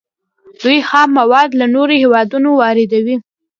دوی خام مواد له نورو هیوادونو واردوي.